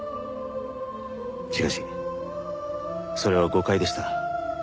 しかしそれは誤解でした。